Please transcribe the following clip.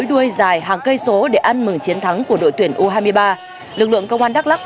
luôn nhà vô địch của chúng ta